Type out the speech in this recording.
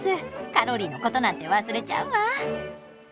カロリーのことなんて忘れちゃうわ！